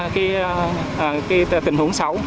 tình huống xấu